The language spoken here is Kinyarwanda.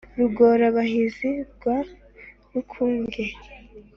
Rugora-bahizi rwa Rukuge